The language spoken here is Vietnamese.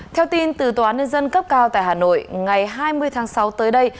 theo tin từ tòa án nhân dân cấp cao tại hà nội ngày hai mươi tháng sáu tới đây